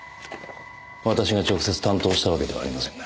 私が直接担当したわけではありませんが。